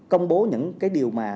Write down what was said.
công bố những cái điều mà